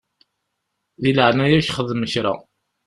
Di leɛnaya-k xdem kra.